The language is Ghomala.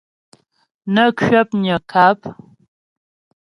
Nə́ kwəpnyə́ ŋkâp.